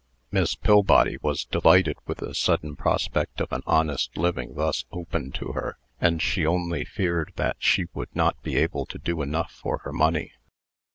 Miss Pillbody was delighted with the sudden prospect of an honest living thus opened to her, and she only feared that she would not be able to do enough for her money.